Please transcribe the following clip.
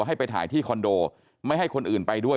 ให้ไปถ่ายที่คอนโดไม่ให้คนอื่นไปด้วย